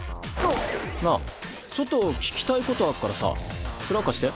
なあちょっと聞きたいことあっからさ面貸して。